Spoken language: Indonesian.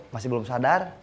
masih belum sadar